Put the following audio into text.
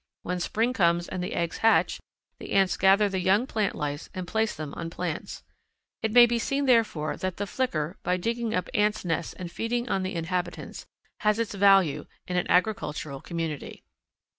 When spring comes and the eggs hatch, the ants gather the young plant lice and place them on plants. It may be seen, therefore, that the Flicker by digging up ants' nests and feeding on the inhabitants has its value in an agricultural community.